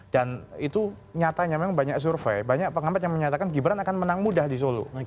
dan itu nyatanya memang banyak survei banyak pengamat yang menyatakan gibran akan menang mudah di solo